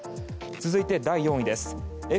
続いて第４位です。